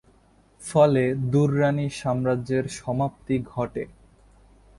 ফলে দুররানি সাম্রাজ্যের সমাপ্তি ঘটে।